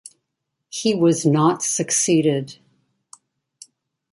He was not succeeded.